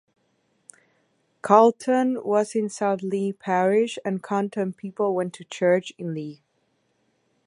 Calton was in South Leith Parish and Calton people went to church in Leith.